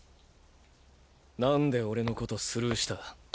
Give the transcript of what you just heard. なんで俺のことスルーした？